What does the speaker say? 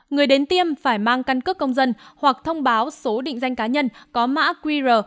người đến tiêm phải mang căn cước công dân hoặc thông báo số định danh cá nhân có mã qr